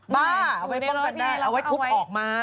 บ้าเอาไว้ป้องกันได้เอาไว้ทุบออกมา